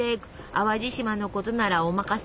淡路島のことならお任せ。